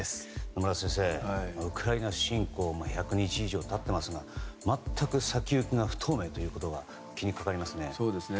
野村先生、ウクライナ侵攻１００日以上経っていますが全く先行きが不透明ということが気にかかりますね。